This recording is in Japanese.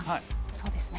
そうですね。